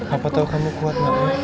apa tau kamu kuat gak ya